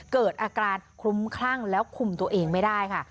เกิดอาการคลุ้มคลั่งแล้วคุมตัวเองไม่ได้ค่ะ